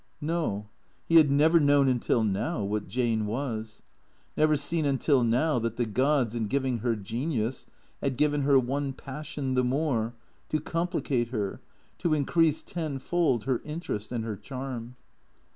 No, he had never known until now what Jane was; never seen until now that the gods in giving her genius had given her one passion the more, to complicate her, to increase tenfold her interest and her charm.